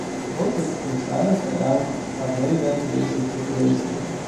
Ik hoop dat de commissaris eraan gaat meewerken deze te verwezenlijken.